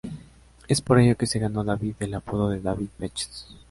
Es por ello que se ganó David el apodo de "David Baches".